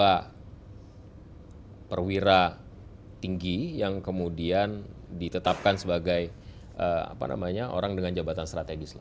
ada perwira tinggi yang kemudian ditetapkan sebagai orang dengan jabatan strategis